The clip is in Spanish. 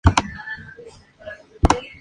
En la Jurisdicción del Valle de las Salinas.